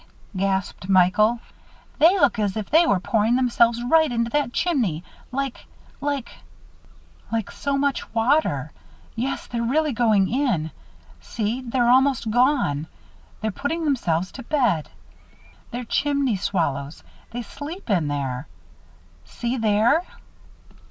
gasped Michael, "they look as if they were pouring themselves right into that chimney like like " "Like so much water. Yes, they're really going in. See, they're almost gone. They're putting themselves to bed. They're chimney swallows they sleep in there. See there!"